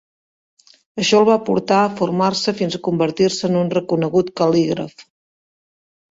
Això el va portar a formar-se fins a convertir-se en un reconegut cal.ligraf.